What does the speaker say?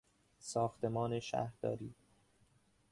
ساختمان شهرداری